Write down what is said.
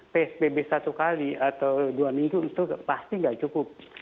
karena psbb satu kali atau dua minggu itu pasti tidak cukup